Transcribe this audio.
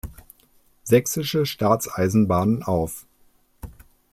Sächsischen Staatseisenbahnen auf.